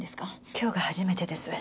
今日が初めてです。